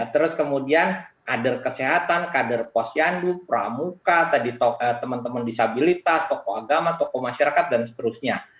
terus kemudian kader kesehatan kader posyandu pramuka tadi teman teman disabilitas tokoh agama tokoh masyarakat dan seterusnya